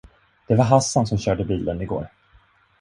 Det var Hassan som körde bilen igår.